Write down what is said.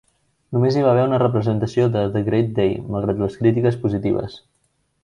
Només hi va haver una representació de "The Great Day", malgrat les crítiques positives.